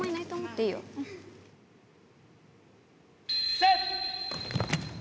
セット！